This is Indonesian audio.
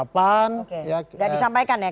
tidak disampaikan ya